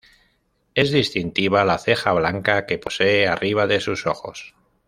Es distintiva la ceja blanca que posee arriba de sus ojos.